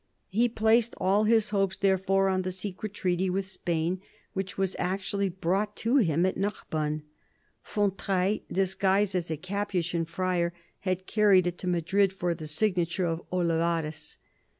He placed all his hopes, therefore, on the secret treaty with Spain, which was actually brought to him at Narbonne. Fontrailles, disguised as a Capuchin friar, had carried it to Madrid for the signature of Olivarez.